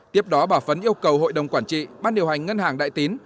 tiếp đó bà phấn yêu cầu hội đồng quản trị ban điều hành ngân hàng đại tín